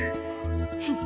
フッ。